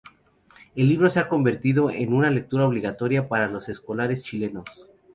El libro se ha convertido en una lectura obligatoria para los escolares chilenos.